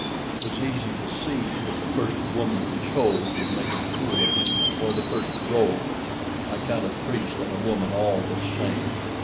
It was easy to see that the first woman who chose would make a fool of him, or the first robe I count a priest and a woman all the same.